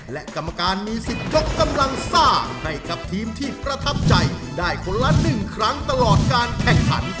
และกรรมการมีสิทธิ์ยกกำลังซ่าให้กับทีมที่ประทับใจได้คนละ๑ครั้งตลอดการแข่งขัน